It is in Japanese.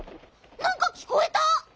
なんかきこえた！